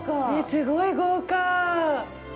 すごい豪華。